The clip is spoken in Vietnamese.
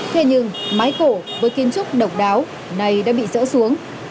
thế nhưng mái cổ với kiến trúc độc đáo này đã bị dỡ xuống